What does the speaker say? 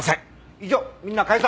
以上みんな解散。